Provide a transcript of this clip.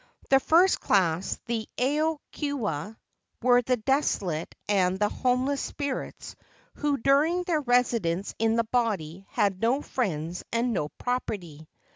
The first class, the Ao Kuewa, were the desolate and the homeless spirits who during their residence in the body had no friends and no property.